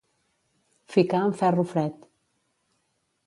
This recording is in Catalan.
Ficar en ferro fred.